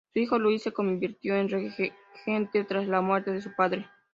Su hijo, Luis, se convirtió en regente tras la muerte de su padre.